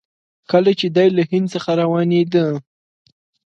کله چې دی له هند څخه روانېده.